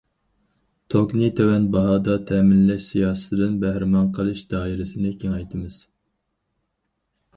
توكنى تۆۋەن باھادا تەمىنلەش سىياسىتىدىن بەھرىمەن قىلىش دائىرىسىنى كېڭەيتىمىز.